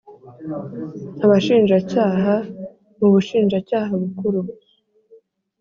Abashinjacyaha mu Bushinjacyaha Bukuru